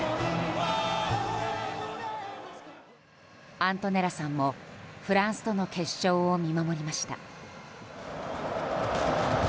アントネラさんも、フランスとの決勝を見守りました。